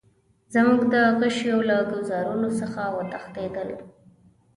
زموږ د غشیو له ګوزارونو څخه وتښتېدل.